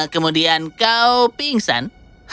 kemudian kau pingsan